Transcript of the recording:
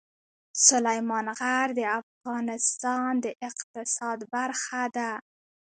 سلیمان غر د افغانستان د اقتصاد برخه ده.